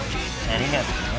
ありがとな